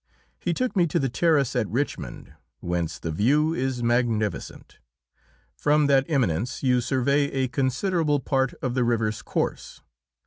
He took me to the terrace at Richmond, whence the view is magnificent. From that eminence you survey a considerable part of the river's course.